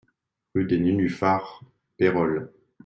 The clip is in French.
Rue des Nénuphars, Pérols